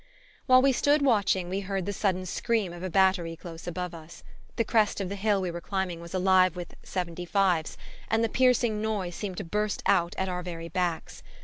_ While we stood watching we heard the sudden scream of a battery close above us. The crest of the hill we were climbing was alive with "Seventy fives," and the piercing noise seemed to burst out at our very backs.